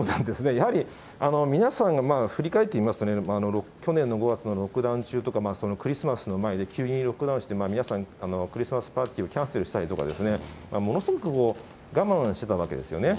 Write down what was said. やはり、皆さんが振り返ってみますと、去年の５月のロックダウン中とかクリスマスの前で急にロックダウンして皆さん、クリスマスパーティーをキャンセルしたりとか、ものすごく我慢してたわけですよね。